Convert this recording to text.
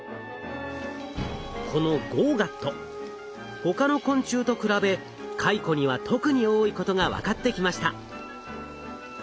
このＧＯＧＡＴ他の昆虫と比べカイコには特に多いことが分かってきました。